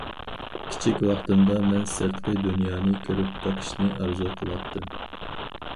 « كىچىك ۋاقتىمدا، مەن سىرتقى دۇنيانى كۆرۈپ بېقىشنى ئارزۇ قىلاتتىم».